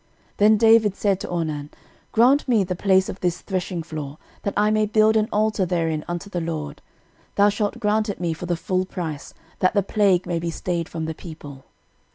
13:021:022 Then David said to Ornan, Grant me the place of this threshingfloor, that I may build an altar therein unto the LORD: thou shalt grant it me for the full price: that the plague may be stayed from the people.